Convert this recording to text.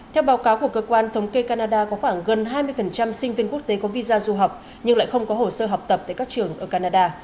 theo báo cáo của cơ quan thống kê canada có khoảng gần hai mươi sinh viên quốc tế có visa du học nhưng lại không có hồ sơ học tập tại các trường ở canada